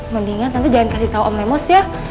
mendingan tante jangan kasih tau om lemos ya